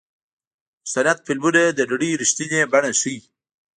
مستند فلمونه د نړۍ رښتینې بڼه ښيي.